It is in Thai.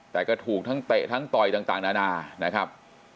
แต่ก็ถูกทั้งเตะทั้งต่อยต่างนานานะครับ